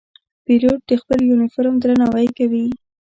پیلوټ د خپل یونیفورم درناوی کوي.